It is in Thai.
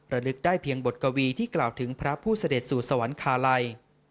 ระลึกได้เพียงบทกวีที่กล่าวถึงพระผู้เสด็จสู่สวรรคาลัย